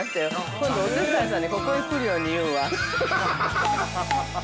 今度お手伝いさんにここへ来るように言うわ。